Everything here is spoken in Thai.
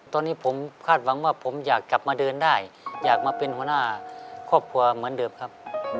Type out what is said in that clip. ตอนนี้ผมคาดหวังว่าผมอยากกลับมาเดินได้อยากมาเป็นหัวหน้าครอบครัวเหมือนเดิมครับ